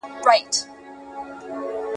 پلار دی راغی لکه پړانګ وو خښمېدلی ..